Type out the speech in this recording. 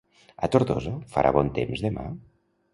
A Tortosa farà bon temps demà?